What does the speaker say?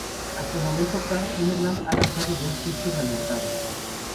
Hasta el momento Caro Emerald ha lanzado dos discos al mercado.